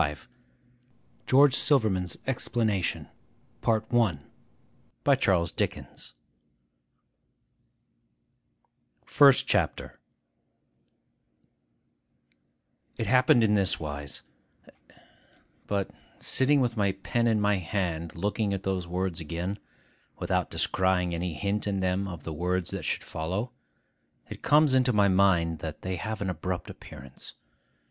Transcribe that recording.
org GEORGE SILVERMAN'S EXPLANATION FIRST CHAPTER IT happened in this wise— But, sitting with my pen in my hand looking at those words again, without descrying any hint in them of the words that should follow, it comes into my mind that they have an abrupt appearance.